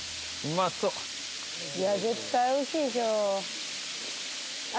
まそいや絶対おいしいでしょあっ